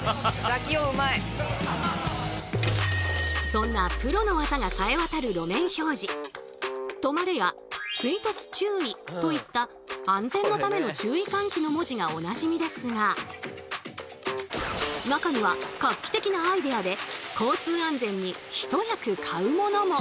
そんな「止まれ」や「追突注意」といった安全のための注意喚起の文字がおなじみですが中には画期的なアイデアで交通安全にひと役買うものも！